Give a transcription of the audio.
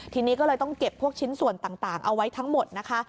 ทีนี้ก็เลยต้องเก็บพวกชิ้นส่วนต่างเอาไว้ทั้งหมดนะคะ